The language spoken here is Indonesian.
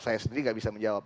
saya sendiri gak bisa menjawab